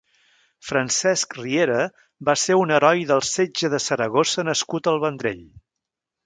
Francesc Riera va ser un heroi del setge de Saragossa nascut al Vendrell.